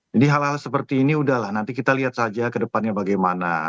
jadi hal hal seperti ini udah lah nanti kita lihat saja ke depannya bagaimana